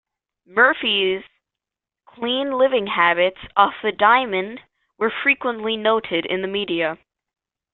Murphy's clean-living habits off the diamond were frequently noted in the media.